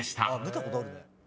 見たことあるね。